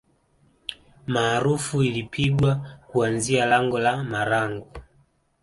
Maarufu ilipigwa kuanzia lango la marangu